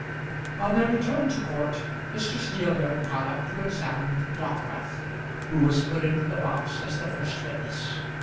On their return to court Mr. Steelyard got up to examine Dockwrath, who was put into the box as the first witness.